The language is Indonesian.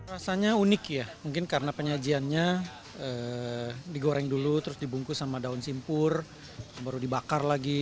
rasanya unik ya mungkin karena penyajiannya digoreng dulu terus dibungkus sama daun simpur baru dibakar lagi